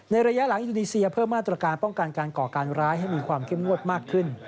ระยะหลังอินโดนีเซียเพิ่มมาตรการป้องกันการก่อการร้ายให้มีความเข้มงวดมากขึ้น